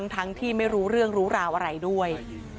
ทั้งที่ไม่รู้เรื่องรู้ราวอะไรด้วย